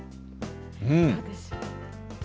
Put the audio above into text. どうでしょう。